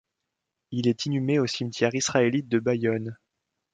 Il est inhumé au cimetière israélite de Bayonne.